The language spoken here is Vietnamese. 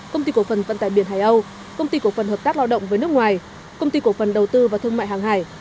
công ty cổ phần vận tải biển hải âu công ty cổ phần hợp tác lao động với nước ngoài công ty cổ phần đầu tư và thương mại hàng hải